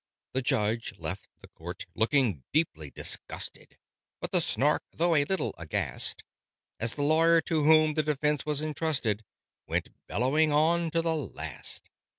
The Judge left the Court, looking deeply disgusted: But the Snark, though a little aghast, As the lawyer to whom the defense was entrusted, Went bellowing on to the last.